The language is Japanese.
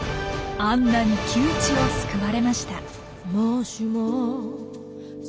アンナに窮地を救われました。